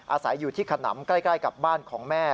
อาศัยอยู่ที่ขนำใกล้กับบ้านของแม่